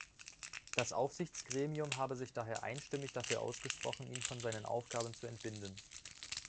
Das Aufsichtsgremium habe sich daher einstimmig dafür ausgesprochen, ihn von seinen Aufgaben zu entbinden.